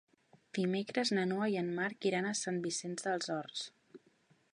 Dimecres na Noa i en Marc iran a Sant Vicenç dels Horts.